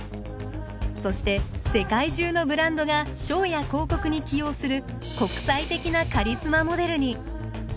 そして世界中のブランドがショーや広告に起用する国際的なカリスマモデルに。